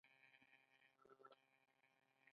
پاکوالی روغتیا تضمینوي